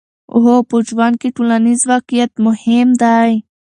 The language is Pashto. هو، په ژوند کې ټولنیز واقعیت مهم دی.